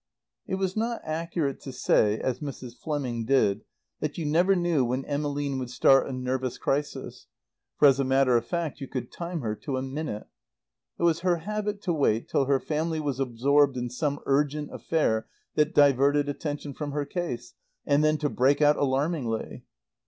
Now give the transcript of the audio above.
It was not accurate to say, as Mrs. Fleming did, that you never knew when Emmeline would start a nervous crisis; for as a matter of fact you could time her to a minute. It was her habit to wait till her family was absorbed in some urgent affair that diverted attention from her case, and then to break out alarmingly.